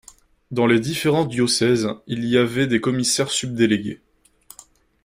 Dans les différents diocèses, il y avait des commissaires subdélégués.